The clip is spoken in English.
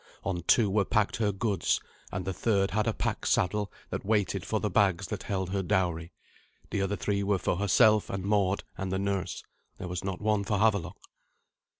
On two were packed her goods, and the third had a pack saddle that waited for the bags that held her dowry. The other three were for herself and Mord and the nurse. There was not one for Havelok.